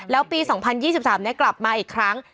แล้วปี๒๐๒๓นี้กลับมาอีกครั้ง